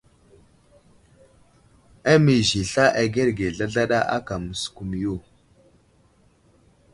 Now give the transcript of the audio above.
Amiz i sla agərge zlazlaɗa áka məskumiyo.